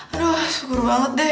aduh syukur banget deh